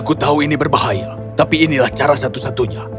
aku tahu ini berbahaya tapi inilah cara satu satunya